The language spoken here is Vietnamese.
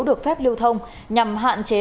được phép lưu thông nhằm hạn chế